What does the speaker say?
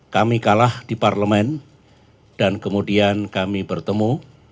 kami kalah di parlemen dan kemudian kami bertemu